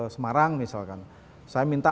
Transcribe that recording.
semarang misalkan saya minta